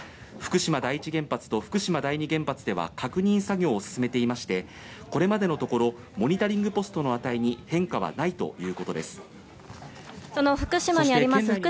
福島第一原発と福島第二原発では確認作業を進めていましてこれまでのところモニタリングポストの値に変化はないということです。